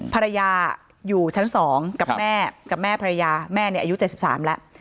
ภรรยาอยู่ชั้น๒กับแม่กับแม่ภรรยาแม่เนี่ยอายุ๗๓แล้ว